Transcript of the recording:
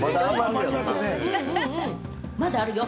まだあるよ。